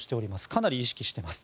かなり意識しています。